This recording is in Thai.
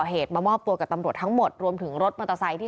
เหตุมามอบตัวกับตำรวจทั้งหมดรวมถึงรถมอเตอร์ไซค์ที่